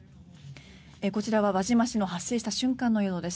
こちらは輪島市の発生した瞬間の映像です。